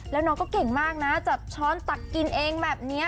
แล้วน้องก็เก่งมากนะจับช้อนตักกินเองแบบนี้